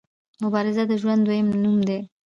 مبارزه د ژوند دویم نوم دی.